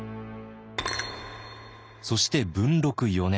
そして文禄４年。